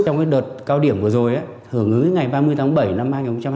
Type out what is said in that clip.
trong đợt cao điểm vừa rồi hưởng ứng ngày ba mươi tháng bảy năm hai nghìn hai mươi bốn